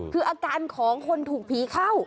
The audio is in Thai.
คืออาการของคนถูกผีเข้า